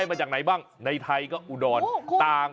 โอ้โหหลายพันแห้ง